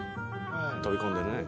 飛び込んでるね。